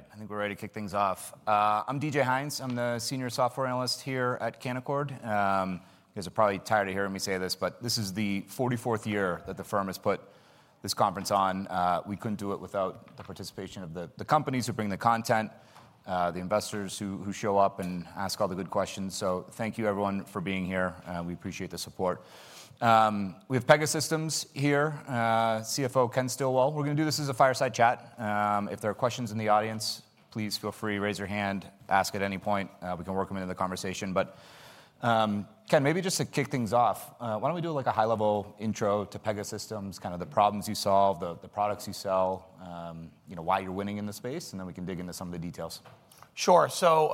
All right, I think we're ready to kick things off. I'm DJ Hynes. I'm the senior software analyst here at Canaccord. You guys are probably tired of hearing me say this, but this is the 44th year that the firm has put this conference on. We couldn't do it without the participation of the companies who bring the content, the investors who show up and ask all the good questions. So thank you, everyone, for being here, we appreciate the support. We have Pegasystems here, CFO Ken Stillwell. We're gonna do this as a fireside chat. If there are questions in the audience, please feel free, raise your hand, ask at any point, we can work them into the conversation. But, Ken, maybe just to kick things off, why don't we do, like, a high-level intro to Pegasystems, kind of the problems you solve, the products you sell, you know, why you're winning in the space, and then we can dig into some of the details. Sure. So,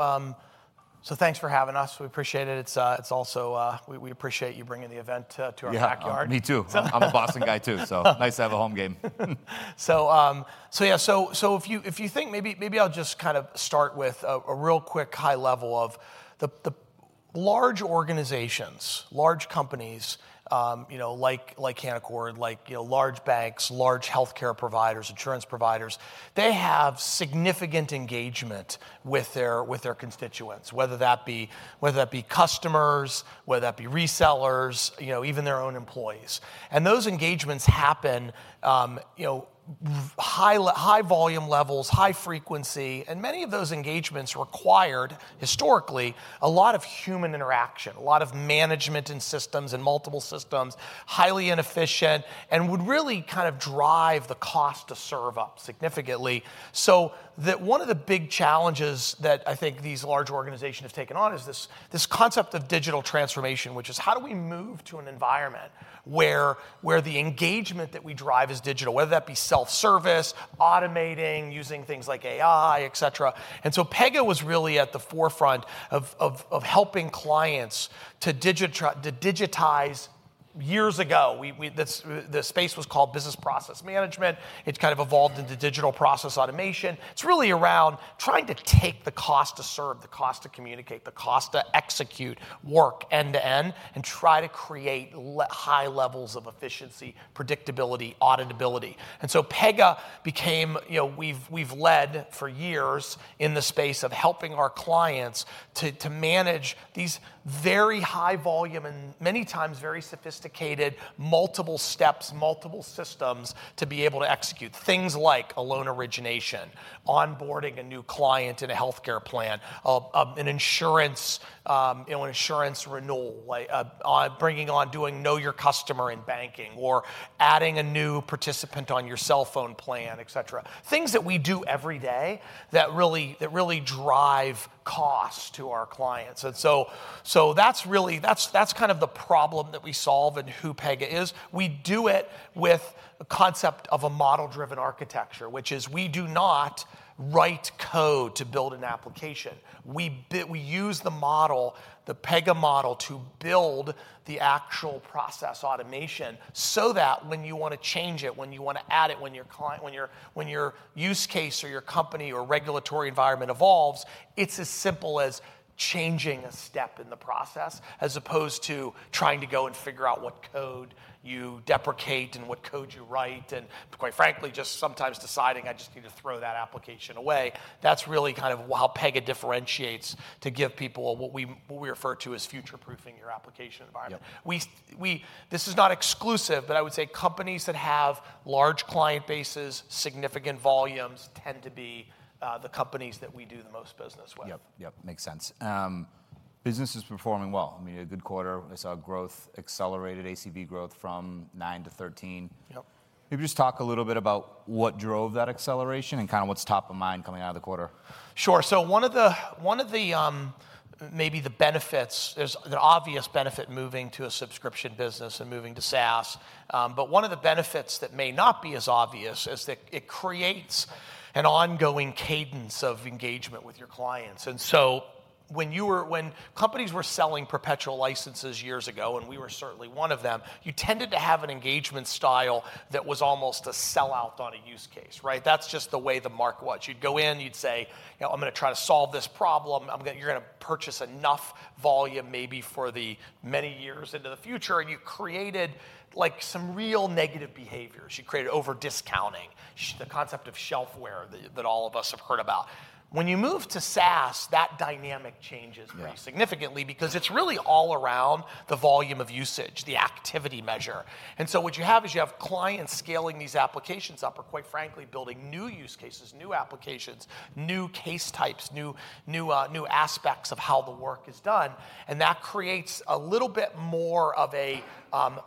thanks for having us. We appreciate it. It's also... We appreciate you bringing the event to our backyard. Yeah, me too. So. I'm a Boston guy, too, so nice to have a home game. So yeah, if you think maybe I'll just kind of start with a real quick high level of the large organizations, large companies, you know, like Canaccord, you know, large banks, large healthcare providers, insurance providers. They have significant engagement with their constituents, whether that be customers, whether that be resellers, you know, even their own employees. And those engagements happen, you know, high volume levels, high frequency, and many of those engagements required, historically, a lot of human interaction, a lot of management and systems, and multiple systems, highly inefficient, and would really kind of drive the cost to serve up significantly. So the... One of the big challenges that I think these large organizations have taken on is this concept of digital transformation, which is: How do we move to an environment where the engagement that we drive is digital? Whether that be self-service, automating, using things like AI, et cetera. And so Pega was really at the forefront of helping clients to digitize years ago. This space was called business process management. It's kind of evolved into digital process automation. It's really around trying to take the cost to serve, the cost to communicate, the cost to execute work end to end, and try to create high levels of efficiency, predictability, auditability. And so Pega became... You know, we've, we've led for years in the space of helping our clients to, to manage these very high volume and, many times, very sophisticated, multiple steps, multiple systems to be able to execute things like a loan origination, onboarding a new client in a healthcare plan, an insurance, you know, an insurance renewal, like, bringing on doing Know Your Customer in banking or adding a new participant on your cell phone plan, et cetera. Things that we do every day that really, that really drive costs to our clients. And so, so that's really... That's, that's kind of the problem that we solve and who Pega is. We do it with a concept of a model-driven architecture, which is we do not write code to build an application. We use the model, the Pega Model, to build the actual process automation, so that when you wanna change it, when you wanna add it, when your use case, or your company, or regulatory environment evolves, it's as simple as changing a step in the process as opposed to trying to go and figure out what code you deprecate and what code you write, and quite frankly, just sometimes deciding, "I just need to throw that application away." That's really kind of how Pega differentiates to give people what we, what we refer to as future-proofing your application environment. Yeah. This is not exclusive, but I would say companies that have large client bases, significant volumes, tend to be the companies that we do the most business with. Yep, yep, makes sense. Business is performing well. I mean, a good quarter. I saw growth... Accelerated ACV growth from 9 to 13. Yep. Maybe just talk a little bit about what drove that acceleration and kind of what's top of mind coming out of the quarter. Sure. So one of the maybe the benefits. There's an obvious benefit moving to a subscription business and moving to SaaS. But one of the benefits that may not be as obvious is that it creates an ongoing cadence of engagement with your clients. Mm-hmm. And so when companies were selling perpetual licenses years ago, and we were certainly one of them, you tended to have an engagement style that was almost a sell-out on a use case, right? That's just the way the market was. You'd go in, you'd say, "You know, I'm gonna try to solve this problem. I'm gonna..." You're gonna purchase enough volume maybe for the many years into the future, and you created, like, some real negative behaviors. You created over-discounting, the concept of shelfware that, that all of us have heard about... when you move to SaaS, that dynamic changes- Yeah Pretty significantly, because it's really all around the volume of usage, the activity measure. And so what you have is you have clients scaling these applications up, or quite frankly, building new use cases, new applications, new case types, new, new, new aspects of how the work is done, and that creates a little bit more of a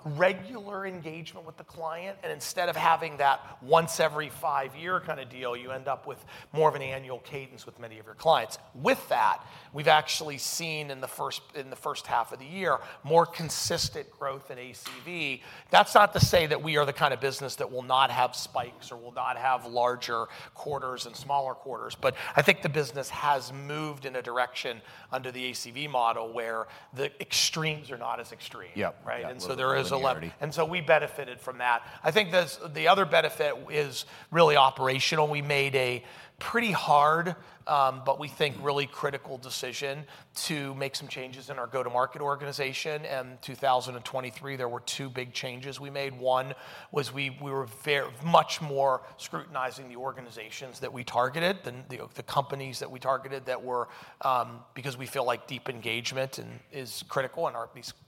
regular engagement with the client. And instead of having that once every five-year kind of deal, you end up with more of an annual cadence with many of your clients. With that, we've actually seen in the first, in the first half of the year, more consistent growth in ACV. That's not to say that we are the kind of business that will not have spikes or will not have larger quarters and smaller quarters. Yeah. But I think the business has moved in a direction under the ACV model, where the extremes are not as extreme. Yeah. Yeah. Right? And so there is a Linearity. We benefited from that. I think this - the other benefit is really operational. We made a pretty hard, but we think really critical decision to make some changes in our go-to-market organization. In 2023, there were two big changes we made. One was we were very much more scrutinizing the organizations that we targeted than the companies that we targeted that were. Because we feel like deep engagement in is critical, and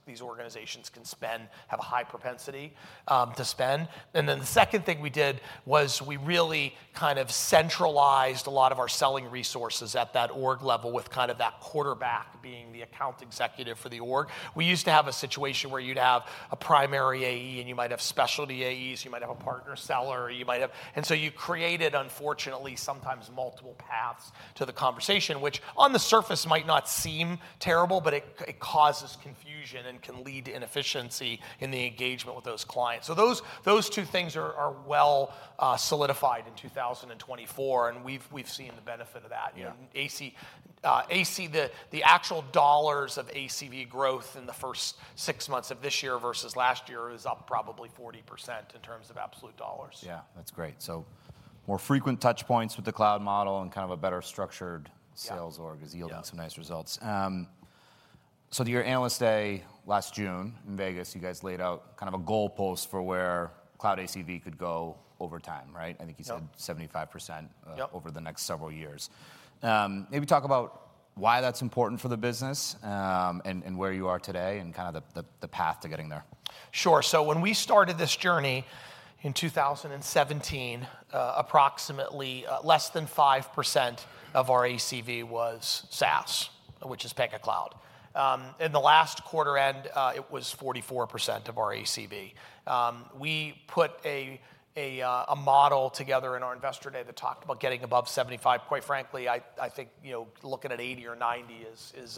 these organizations can spend - have a high propensity to spend. Then the second thing we did was we really kind of centralized a lot of our selling resources at that org level, with kind of that quarterback being the account executive for the org. We used to have a situation where you'd have a primary AE, and you might have specialty AEs, you might have a partner seller, you might have... And so you created, unfortunately, sometimes multiple paths to the conversation, which on the surface might not seem terrible, but it, it causes confusion and can lead to inefficiency in the engagement with those clients. So those, those two things are, are well, solidified in 2024, and we've, we've seen the benefit of that. Yeah. The actual dollars of ACV growth in the first six months of this year versus last year is up probably 40% in terms of absolute dollars. Yeah, that's great. So more frequent touch points with the cloud model and kind of a better structured- Yeah sales org is yielding Yeah some nice results. So at your Analyst Day last June in Vegas, you guys laid out kind of a goalpost for where cloud ACV could go over time, right? Yeah. I think you said 75%- Yep Over the next several years. Maybe talk about why that's important for the business, and where you are today, and kind of the path to getting there. Sure. So when we started this journey in 2017, approximately, less than 5% of our ACV was SaaS, which is Pega Cloud. In the last quarter end, it was 44% of our ACV. We put a model together in our Investor Day that talked about getting above 75. Quite frankly, I think, you know, looking at 80 or 90 is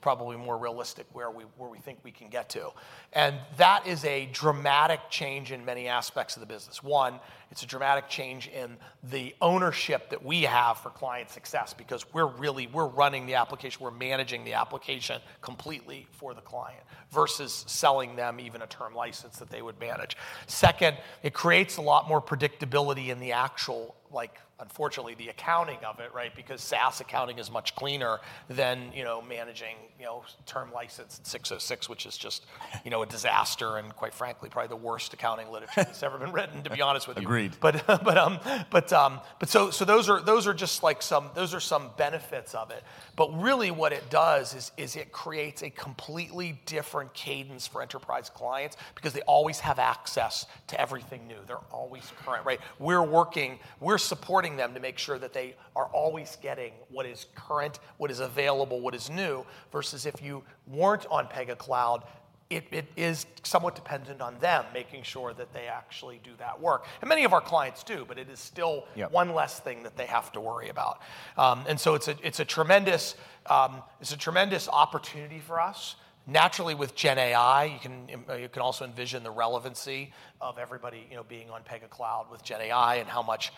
probably more realistic where we think we can get to. And that is a dramatic change in many aspects of the business. One, it's a dramatic change in the ownership that we have for client success, because we're really, we're running the application, we're managing the application completely for the client, versus selling them even a term license that they would manage. Second, it creates a lot more predictability in the actual, like, unfortunately, the accounting of it, right? Because SaaS accounting is much cleaner than, you know, managing, you know, term license 606, which is just you know, a disaster, and quite frankly, probably the worst accounting literature that's ever been written, to be honest with you. Agreed. So those are just like some... Those are some benefits of it. But really what it does is it creates a completely different cadence for enterprise clients, because they always have access to everything new. They're always current, right? We're working, we're supporting them to make sure that they are always getting what is current, what is available, what is new, versus if you weren't on Pega Cloud, it is somewhat dependent on them, making sure that they actually do that work. And many of our clients do, but it is still- Yeah one less thing that they have to worry about. And so it's a, it's a tremendous, it's a tremendous opportunity for us. Naturally, with GenAI, you can, you can also envision the relevancy of everybody, you know, being on Pega Cloud with GenAI, and how much,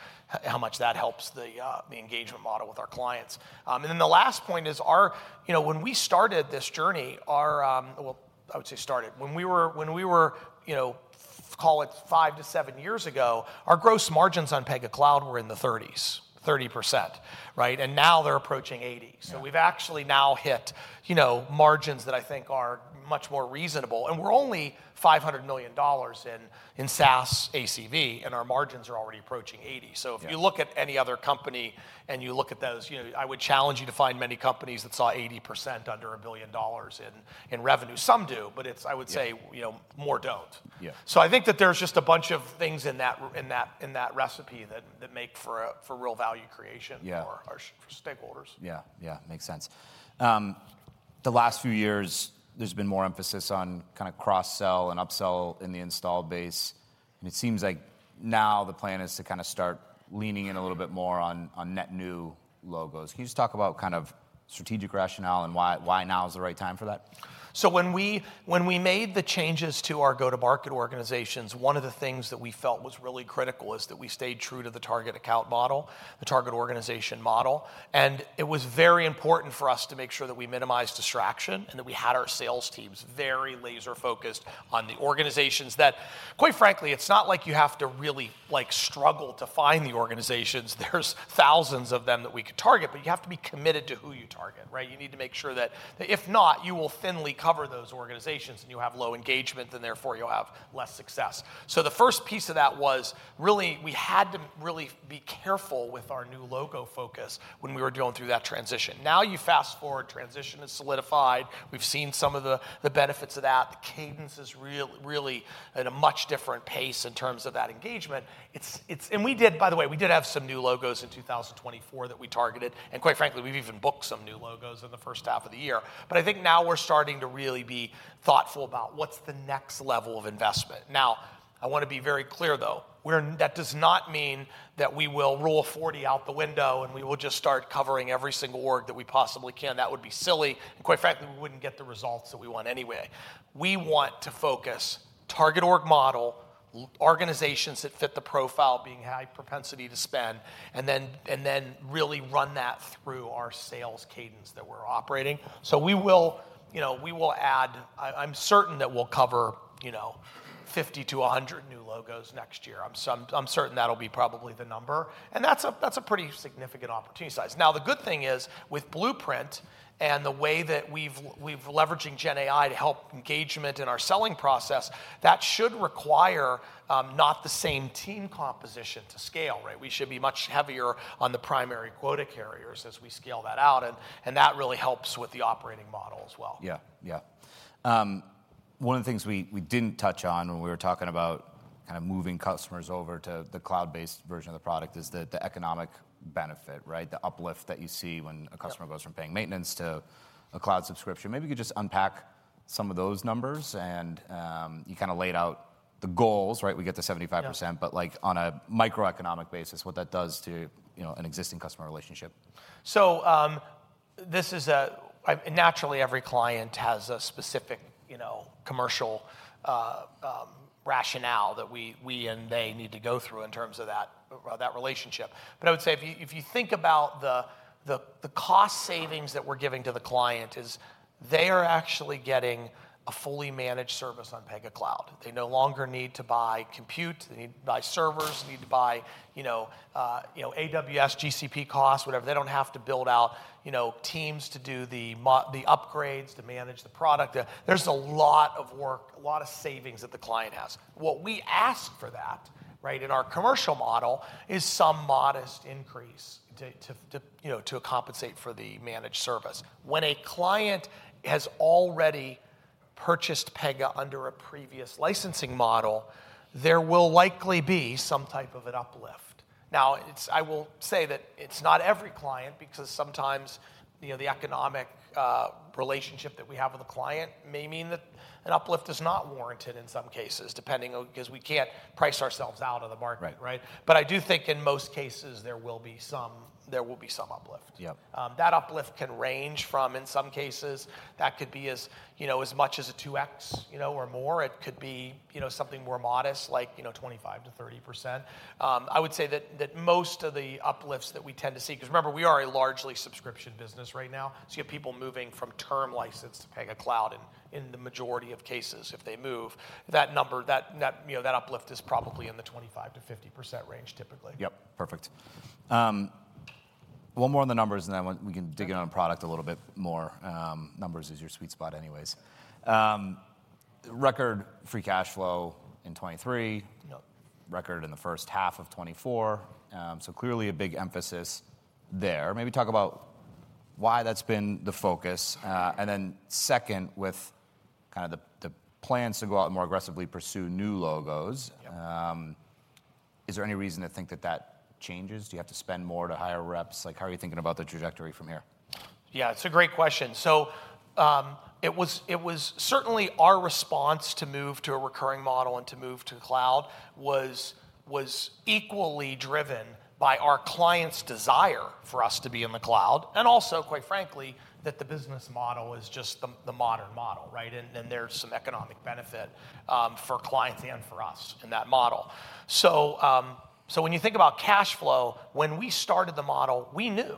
how much that helps the, the engagement model with our clients. And then the last point is our... You know, when we started this journey, our... Well, I would say started. When we were, when we were, you know, call it 5-7 years ago, our gross margins on Pega Cloud were in the thirties, 30%, right? And now they're approaching 80%. Yeah. So we've actually now hit, you know, margins that I think are much more reasonable, and we're only $500 million in SaaS ACV, and our margins are already approaching 80%. Yeah. So if you look at any other company, and you look at those, you know, I would challenge you to find many companies that saw 80% under $1 billion in revenue. Some do, but it's- Yeah... I would say, you know, more don't. Yeah. So I think that there's just a bunch of things in that recipe that make for real value creation. Yeah for our stakeholders. Yeah. Yeah, makes sense. The last few years, there's been more emphasis on kind of cross-sell and upsell in the installed base, and it seems like now the plan is to kind of start leaning in a little bit more on, on net new logos. Can you just talk about kind of strategic rationale and why, why now is the right time for that? So when we made the changes to our go-to-market organizations, one of the things that we felt was really critical is that we stayed true to the target account model, the target organization model. And it was very important for us to make sure that we minimized distraction, and that we had our sales teams very laser focused on the organizations that, quite frankly, it's not like you have to really, like, struggle to find the organizations. There's thousands of them that we could target, but you have to be committed to who you target, right? You need to make sure that. If not, you will thinly cover those organizations, and you have low engagement, and therefore you'll have less success. So the first piece of that was really, we had to really be careful with our new logo focus when we were going through that transition. Now, you fast-forward, transition is solidified. We've seen some of the, the benefits of that. The cadence is really at a much different pace in terms of that engagement. It's, it's... And we did, by the way, we did have some new logos in 2024 that we targeted, and quite frankly, we've even booked some new logos in the first half of the year. But I think now we're starting to really be thoughtful about what's the next level of investment. Now, I want to be very clear, though, we're that does not mean that we will rule the Rule of 40 out the window, and we will just start covering every single org that we possibly can. That would be silly, and quite frankly, we wouldn't get the results that we want anyway. We want to focus target org model organizations that fit the profile being high propensity to spend, and then really run that through our sales cadence that we're operating. So we will, you know, we will add. I'm certain that we'll cover, you know, 50-100 new logos next year. I'm certain that'll be probably the number, and that's a pretty significant opportunity size. Now, the good thing is, with Blueprint and the way that we've leveraging GenAI to help engagement in our selling process, that should require not the same team composition to scale, right? We should be much heavier on the primary quota carriers as we scale that out, and that really helps with the operating model as well. Yeah. Yeah. One of the things we didn't touch on when we were talking about kind of moving customers over to the cloud-based version of the product is the economic benefit, right? The uplift that you see when- Yeah... a customer goes from paying maintenance to a cloud subscription. Maybe you could just unpack some of those numbers, and, you kind of laid out the goals, right? We get to 75%. Yeah. But, like, on a microeconomic basis, what that does to, you know, an existing customer relationship. So, this is a... Naturally, every client has a specific, you know, commercial rationale that we and they need to go through in terms of that relationship. But I would say if you think about the cost savings that we're giving to the client, is they are actually getting a fully managed service on Pega Cloud. They no longer need to buy compute, they need to buy servers, need to buy, you know, AWS, GCP costs, whatever. They don't have to build out, you know, teams to do the upgrades, to manage the product. There's a lot of work, a lot of savings that the client has. What we ask for that, right, in our commercial model, is some modest increase to, you know, to compensate for the managed service. When a client has already purchased Pega under a previous licensing model, there will likely be some type of an uplift. Now, it's. I will say that it's not every client, because sometimes, you know, the economic relationship that we have with a client may mean that an uplift is not warranted in some cases, depending on, because we can't price ourselves out of the market. Right. Right? But I do think in most cases there will be some uplift. Yeah. That uplift can range from, in some cases, that could be as, you know, as much as a 2x, you know, or more. It could be, you know, something more modest, like, you know, 25%-30%. I would say that most of the uplifts that we tend to see... Because remember, we are a largely subscription business right now. So you have people moving from term license to Pega Cloud in the majority of cases. If they move, that number, you know, that uplift is probably in the 25%-50% range typically. Yep, perfect. One more on the numbers, and then we can dig in on product a little bit more. Numbers is your sweet spot anyways. Record free cash flow in 2023. Yep. Record in the first half of 2024. So clearly a big emphasis there. Maybe talk about why that's been the focus. And then second, with kind of the plans to go out and more aggressively pursue new logos- Yep... is there any reason to think that that changes? Do you have to spend more to hire reps? Like, how are you thinking about the trajectory from here? Yeah, it's a great question. So, it was certainly our response to move to a recurring model and to move to the cloud was equally driven by our clients' desire for us to be in the cloud, and also, quite frankly, that the business model is just the modern model, right? And there's some economic benefit for clients and for us in that model. So, when you think about cash flow, when we started the model, we knew,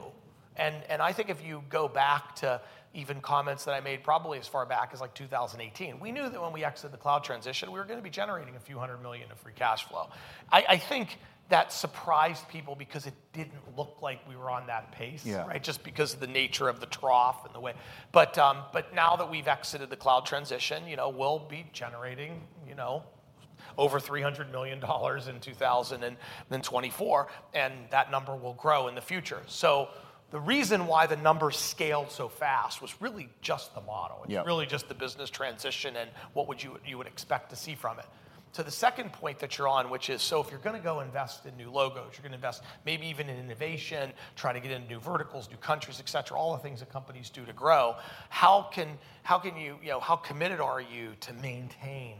and I think if you go back to even comments that I made, probably as far back as like 2018, we knew that when we exited the cloud transition, we were gonna be generating $a few hundred million of free cash flow. I think that surprised people because it didn't look like we were on that pace- Yeah... right? Just because of the nature of the trough and the way. But, but now that we've exited the cloud transition, you know, we'll be generating, you know, over $300 million in 2024, and that number will grow in the future. So the reason why the numbers scaled so fast was really just the model. Yeah. It's really just the business transition, and what would you expect to see from it. To the second point that you're on, which is: so if you're gonna go invest in new logos, you're gonna invest maybe even in innovation, try to get into new verticals, new countries, et cetera, all the things that companies do to grow, how can you... You know, how committed are you to maintain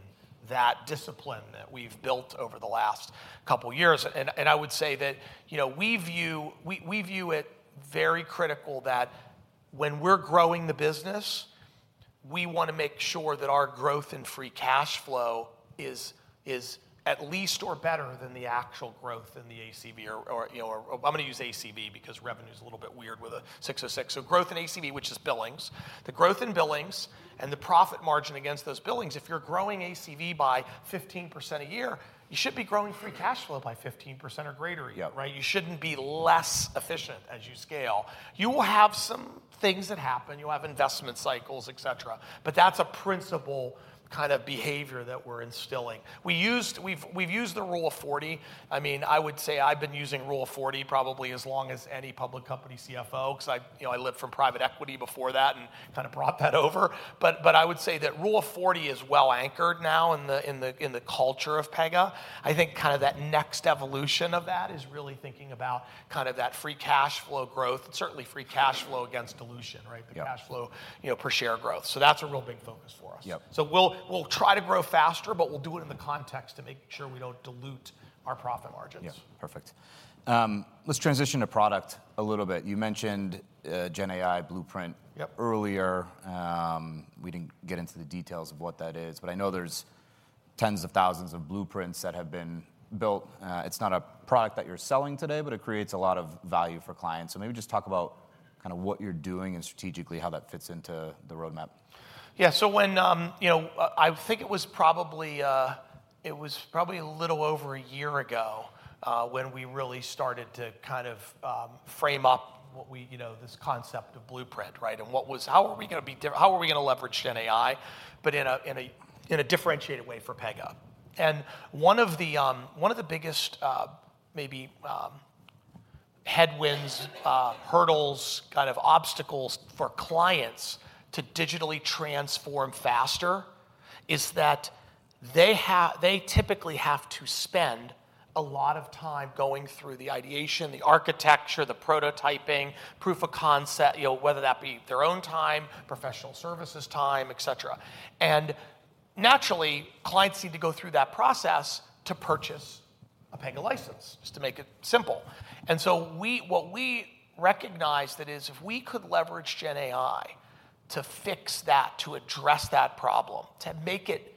that discipline that we've built over the last couple of years? And I would say that, you know, we view it very critical that when we're growing the business, we wanna make sure that our growth in free cash flow is at least or better than the actual growth in the ACV or, you know, or I'm gonna use ACV because revenue's a little bit weird with a 606. So growth in ACV, which is billings, the growth in billings, and the profit margin against those billings, if you're growing ACV by 15% a year, you should be growing free cash flow by 15% or greater- Yep. Right? You shouldn't be less efficient as you scale. You will have some things that happen. You'll have investment cycles, et cetera. But that's a principle kind of behavior that we're instilling. We've used the Rule of 40. I mean, I would say I've been using Rule of 40 probably as long as any public company CFO, 'cause I, you know, I lived from private equity before that and kind of brought that over. But I would say that Rule of 40 is well anchored now in the culture of Pega. I think kind of that next evolution of that is really thinking about kind of that free cash flow growth, and certainly free cash flow against dilution, right? Yep. The cash flow, you know, per share growth. So that's a real big focus for us. Yep. So we'll try to grow faster, but we'll do it in the context to make sure we don't dilute our profit margins. Yeah. Perfect. Let's transition to product a little bit. You mentioned, GenAI Blueprint- Yep... earlier. We didn't get into the details of what that is, but I know there's tens of thousands of blueprints that have been built. It's not a product that you're selling today, but it creates a lot of value for clients. So maybe just talk about kind of what you're doing and strategically how that fits into the roadmap. Yeah, so when... You know, I think it was probably a little over a year ago, when we really started to kind of frame up what we, you know, this concept of Blueprint, right? And how were we gonna leverage GenAI, but in a differentiated way for Pega? And one of the biggest, maybe, headwinds, hurdles, kind of obstacles for clients to digitally transform faster, is that they typically have to spend a lot of time going through the ideation, the architecture, the prototyping, proof of concept, you know, whether that be their own time, professional services time, et cetera. And naturally, clients need to go through that process to purchase a Pega license, just to make it simple. What we recognized is, if we could leverage GenAI to fix that, to address that problem, to make it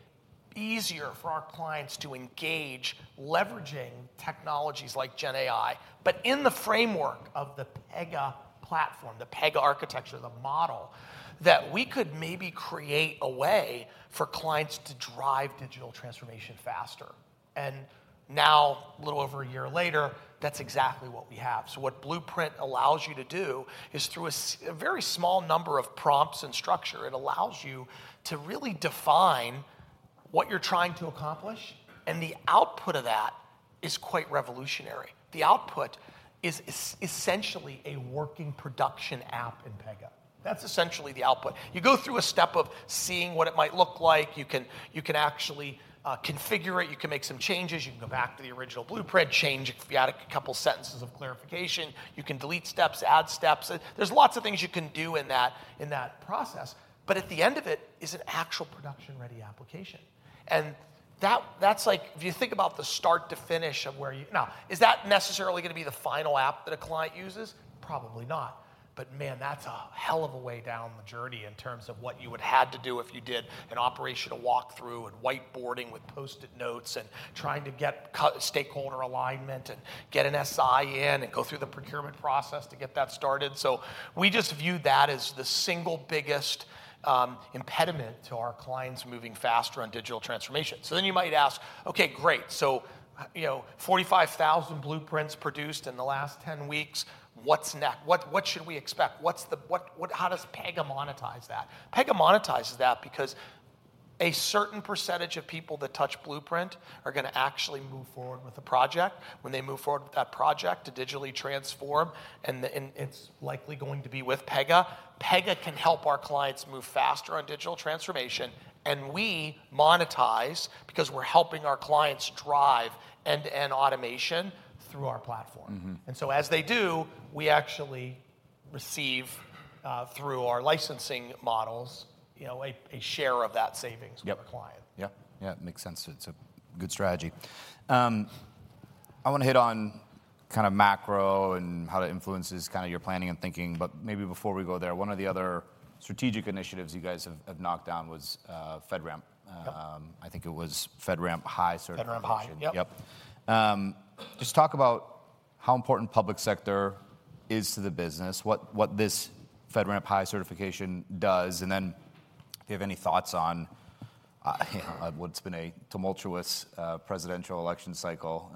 easier for our clients to engage, leveraging technologies like GenAI, but in the framework of the Pega platform, the Pega architecture, the model, that we could maybe create a way for clients to drive digital transformation faster. And now, a little over a year later, that's exactly what we have. So what Blueprint allows you to do is, through a very small number of prompts and structure, it allows you to really define what you're trying to accomplish, and the output of that is quite revolutionary. The output is essentially a working production app in Pega. That's essentially the output. You go through a step of seeing what it might look like. You can, you can actually configure it. You can make some changes. You can go back to the original Blueprint, change it if you add a couple sentences of clarification. You can delete steps, add steps. There's lots of things you can do in that, in that process. But at the end of it is an actual production-ready application, and that, that's like... If you think about the start to finish of where you-- Now, is that necessarily gonna be the final app that a client uses? Probably not. But man, that's a hell of a way down the journey in terms of what you would had to do if you did an operational walk-through, and whiteboarding with Post-it notes, and trying to get co-stakeholder alignment, and get an SI in, and go through the procurement process to get that started. So we just view that as the single biggest impediment to our clients moving faster on digital transformation. So then you might ask: "Okay, great, so, you know, 45,000 blueprints produced in the last 10 weeks. What's next? What, what, how does Pega monetize that?" Pega monetizes that because a certain percentage of people that touch Blueprint are gonna actually move forward with the project. When they move forward with that project to digitally transform, and it's likely going to be with Pega, Pega can help our clients move faster on digital transformation, and we monetize because we're helping our clients drive end-to-end automation through our platform. Mm-hmm. And so as they do, we actually receive through our licensing models, you know, a share of that savings- Yep... with the client. Yep, yeah, it makes sense. It's a good strategy. I wanna hit on kind of macro and how that influences kind of your planning and thinking, but maybe before we go there, one of the other strategic initiatives you guys have knocked down was FedRAMP. Yep. I think it was FedRAMP High certification. FedRAMP High, yep. Yep. Just talk about how important public sector is to the business, what this FedRAMP High certification does, and then if you have any thoughts on, you know, what's been a tumultuous presidential election cycle.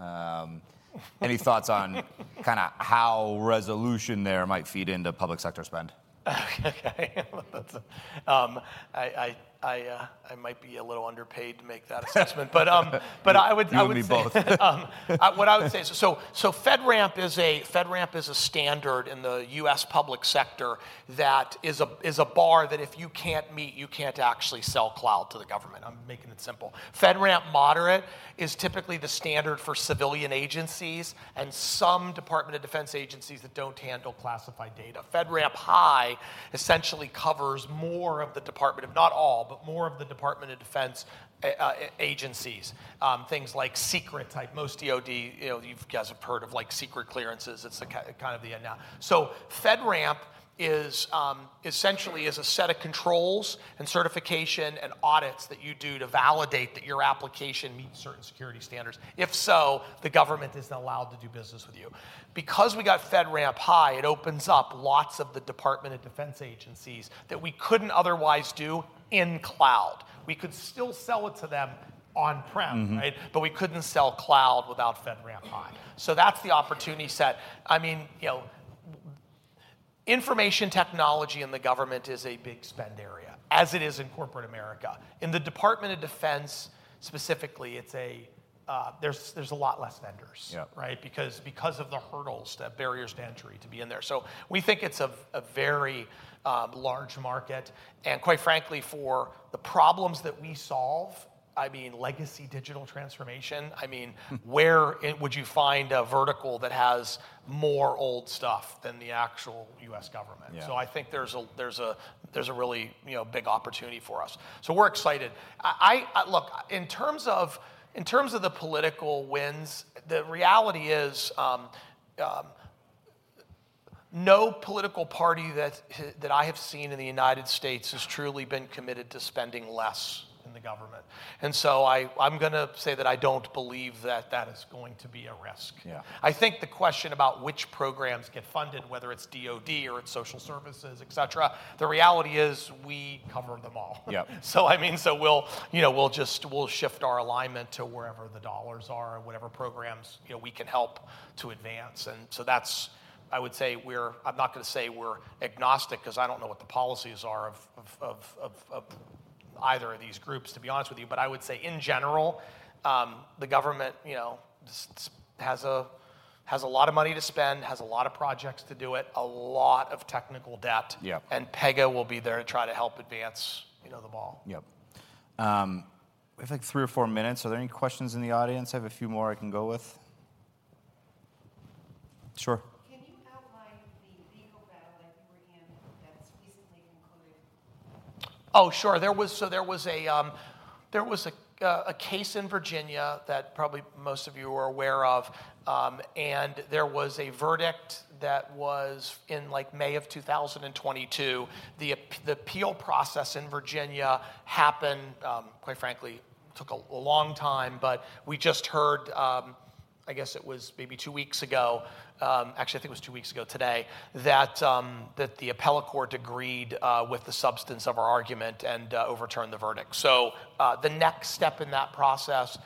Any thoughts on kinda how resolution there might feed into public sector spend? Okay, that's. I might be a little underpaid to make that assessment. But, but I would say- You and me both. What I would say... So, FedRAMP is a standard in the U.S. public sector that is a bar that if you can't meet, you can't actually sell cloud to the government. I'm making it simple. FedRAMP Moderate is typically the standard for civilian agencies and some Department of Defense agencies that don't handle classified data. FedRAMP High essentially covers more of the Department of Defense agencies, things like Secret type. Most DOD, you know, you guys have heard of, like, Secret clearances. It's the kind of the now. So FedRAMP is essentially a set of controls and certification and audits that you do to validate that your application meets certain security standards. If so, the government is allowed to do business with you. Because we got FedRAMP High, it opens up lots of the Department of Defense agencies that we couldn't otherwise do in cloud. We could still sell it to them on-prem- Mm-hmm. Right? But we couldn't sell cloud without FedRAMP High. So that's the opportunity set. I mean, you know, information technology in the government is a big spend area, as it is in corporate America. In the Department of Defense, specifically, it's a there's a lot less vendors. Yeah. Right? Because of the hurdles, the barriers to entry to be in there. So we think it's a very large market, and quite frankly, for the problems that we solve, I mean, legacy digital transformation, I mean, where would you find a vertical that has more old stuff than the actual U.S. government? Yeah. So I think there's a really, you know, big opportunity for us. So we're excited. I look, in terms of the political winds, the reality is, no political party that I have seen in the United States has truly been committed to spending less in the government, and so I, I'm gonna say that I don't believe that that is going to be a risk. Yeah. I think the question about which programs get funded, whether it's DOD or it's social services, et cetera, the reality is we cover them all. Yeah. So I mean, we'll, you know, we'll just shift our alignment to wherever the dollars are and whatever programs, you know, we can help to advance. And so that's... I would say we're-I'm not gonna say we're agnostic, 'cause I don't know what the policies are of either of these groups, to be honest with you. But I would say in general, the government, you know, has a lot of money to spend, has a lot of projects to do it, a lot of technical debt. Yeah. Pega will be there to try to help advance, you know, the ball. Yeah. We have, like, three or four minutes. Are there any questions in the audience? I have a few more I can go with. Sure. Can you outline the legal battle that you were in that's recently concluded? Oh, sure. There was a case in Virginia that probably most of you are aware of, and there was a verdict that was in, like, May of 2022. The appeal process in Virginia happened, quite frankly, took a long time, but we just heard, I guess it was maybe two weeks ago, actually, I think it was two weeks ago today, that the appellate court agreed with the substance of our argument and overturned the verdict. So, the next step in that process,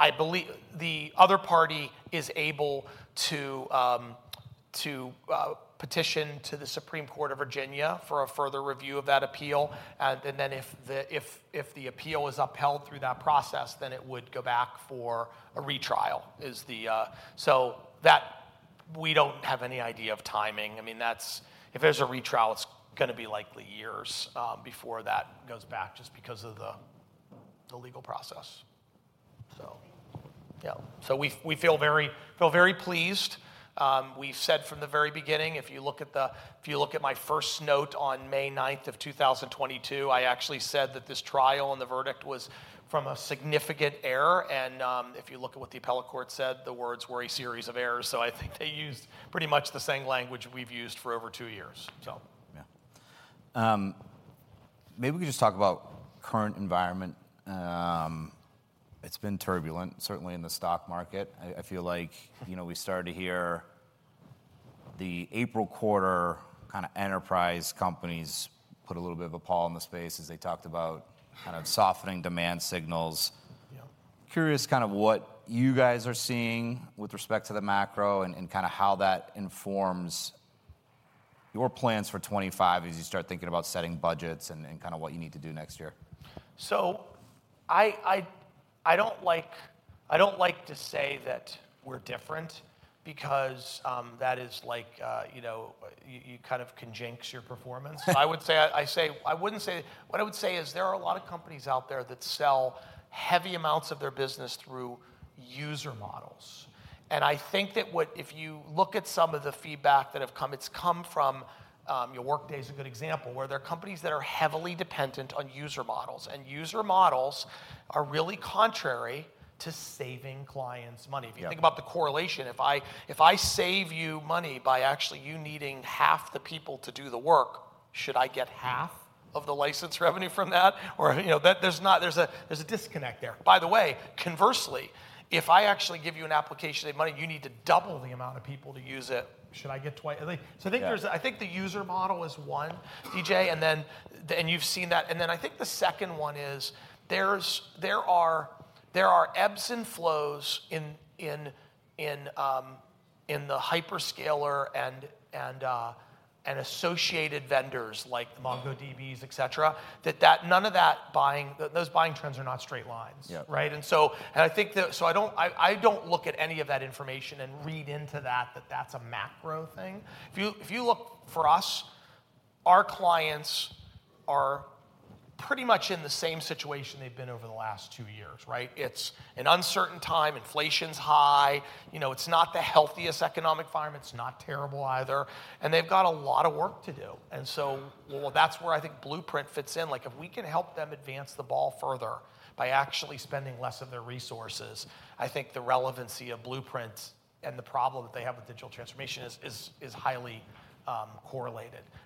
I believe the other party is able to petition to the Supreme Court of Virginia for a further review of that appeal. And then if the appeal is upheld through that process, then it would go back for a retrial. So that we don't have any idea of timing. I mean, that's if there's a retrial, it's gonna be likely years before that goes back just because of the legal process. So thank you. Yeah. So we feel very pleased. We've said from the very beginning, if you look at my first note on May 9th, 2022, I actually said that this trial and the verdict was from a significant error. And if you look at what the appellate court said, the words were a series of errors. So I think they used pretty much the same language we've used for over two years, so. Yeah. Maybe we could just talk about current environment. It's been turbulent, certainly in the stock market. I feel like, you know, we started to hear the April quarter, kind of, enterprise companies put a little bit of a pall in the space as they talked about, kind of, softening demand signals. Yeah. Curious, kind of, what you guys are seeing with respect to the macro and, and kind of how that informs your plans for 2025 as you start thinking about setting budgets and, and kind of what you need to do next year? So I don't like to say that we're different because that is like, you know, you kind of can jinx your performance. I wouldn't say... What I would say is there are a lot of companies out there that sell heavy amounts of their business through user models, and I think that would—if you look at some of the feedback that have come, it's come from... You know, Workday is a good example, where there are companies that are heavily dependent on user models, and user models are really contrary to saving clients money. Yeah. If you think about the correlation, if I save you money by actually you needing half the people to do the work, should I get half of the license revenue from that? Or, you know, there's a disconnect there. By the way, conversely, if I actually give you an application and money, you need to double the amount of people to use it, should I get twice... Like- Yeah. So I think the user model is one, DJ, and then you've seen that. And then I think the second one is, there are ebbs and flows in the hyperscaler and associated vendors- Mm-hmm... like MongoDBs, et cetera, that none of that buying, those buying trends are not straight lines. Yeah. Right? And so, I think the. So I don't look at any of that information and read into that, that's a macro thing. If you, if you look for us, our clients are pretty much in the same situation they've been over the last two years, right? It's an uncertain time, inflation's high, you know, it's not the healthiest economic environment, it's not terrible either, and they've got a lot of work to do. Well, that's where I think Blueprint fits in. Like, if we can help them advance the ball further by actually spending less of their resources, I think the relevancy of Blueprints and the problem that they have with digital transformation is highly correlated.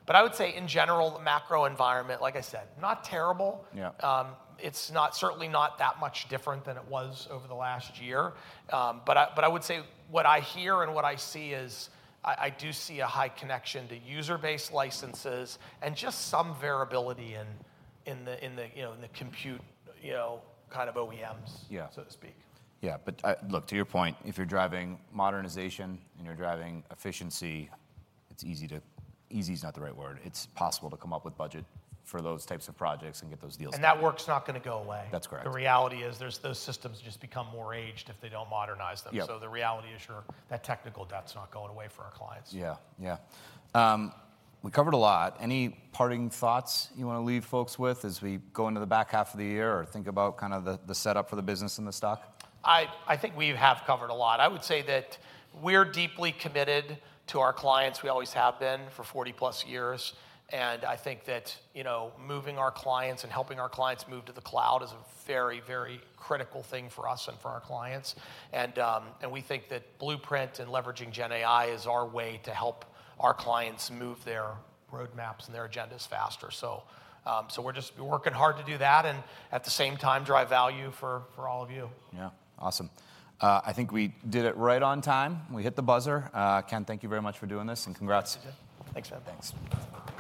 But I would say in general, the macro environment, like I said, not terrible. Yeah. It's not, certainly not that much different than it was over the last year. But I would say what I hear and what I see is, I do see a high connection to user-based licenses and just some variability in the, you know, in the compute, you know, kind of OEMs- Yeah... so to speak. Yeah. But, look, to your point, if you're driving modernization and you're driving efficiency, it's easy to... Easy is not the right word. It's possible to come up with budget for those types of projects and get those deals done. That work's not gonna go away. That's correct. The reality is, those systems just become more aged if they don't modernize them. Yeah. The reality is, sure, that technical debt's not going away from our clients. Yeah. Yeah. We covered a lot. Any parting thoughts you wanna leave folks with as we go into the back half of the year, or think about kind of the setup for the business and the stock? I think we have covered a lot. I would say that we're deeply committed to our clients. We always have been for 40+ years, and I think that, you know, moving our clients and helping our clients move to the cloud is a very, very critical thing for us and for our clients. And we think that Blueprint and leveraging GenAI is our way to help our clients move their roadmaps and their agendas faster. So we're just working hard to do that, and at the same time, drive value for, for all of you. Yeah. Awesome. I think we did it right on time. We hit the buzzer. Ken, thank you very much for doing this, and congrats. Thanks, DJ. Thanks.